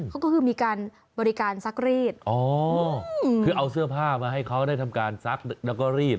เขาก็คือมีการบริการซักรีดอ๋อคือเอาเสื้อผ้ามาให้เขาได้ทำการซักแล้วก็รีด